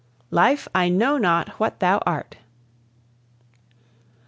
LIFE, I KNOW NOT WHAT THOU ART.